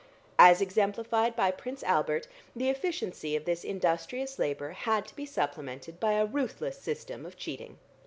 As exemplified by Prince Albert the efficiency of this industrious labour had to be supplemented by a ruthless system of cheating.